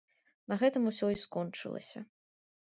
На гэтым усё і скончылася.